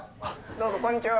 ・どうもこんにちは。